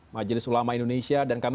majelis ulama indonesia dan kami